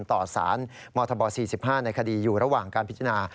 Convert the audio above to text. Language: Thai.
ต่อสารมธบ๔๕ในคดีอยู่ระหว่างการพิจารณา